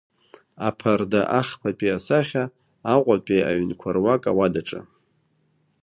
Аԥарда ахԥатәи асахьа Аҟәатәи аҩнқәа руак ауадаҿы.